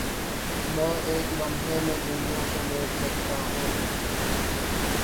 میں ایک لمحے میں دنیا سمیٹ سکتا ہوں